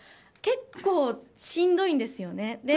結構、しんどいんですよね。